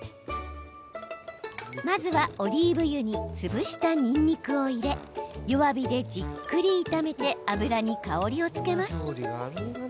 まずは、オリーブ油に潰したにんにくを入れ弱火でじっくり炒めて油に香りをつけます。